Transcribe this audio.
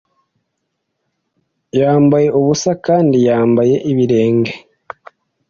yambaye ubusa kandi yambaye ibirenge